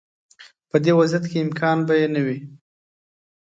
په دې وضعیت کې امکان به یې نه وي.